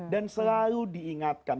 dan selalu diingatkan